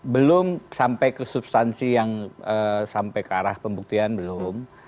belum sampai ke substansi yang sampai ke arah pembuktian belum